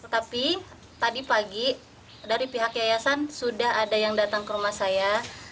tetapi tadi pagi dari pihak yayasan sudah ada yang datang ke rumah saya